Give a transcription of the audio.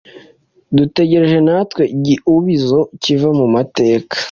Dutegereje natwe igiubizo kiva mu mateka"